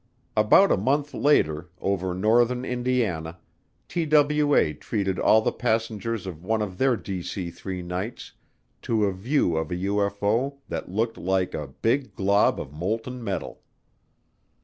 About a month later, over northern Indiana, TWA treated all the passengers of one of their DC 3 nights to a view of a UFO that looked like a "big glob of molten metal."